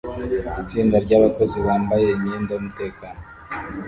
Itsinda ryabakozi bambaye imyenda yumutekano